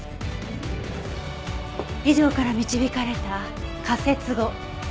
以上から導かれた仮説